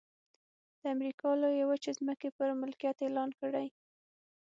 د امریکا لویې وچې ځمکې یې ملکیت اعلان کړې.